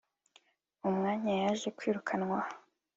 umwanya yaje kwirukanwaho